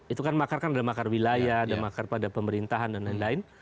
itu kan makar kan ada makar wilayah ada makar pada pemerintahan dan lain lain